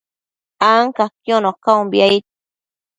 ancaquiono caumbi, aid